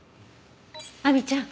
亜美ちゃん